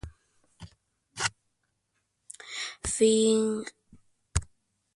Fingen finalmente durmió con ella, y su memoria regresó.